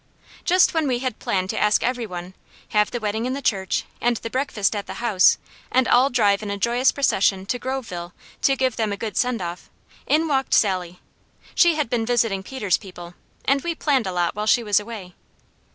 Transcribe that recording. Just when we had planned to ask every one, have the wedding in the church, and the breakfast at the house, and all drive in a joyous procession to Groveville to give them a good send off in walked Sally. She had been visiting Peter's people, and we planned a lot while she was away.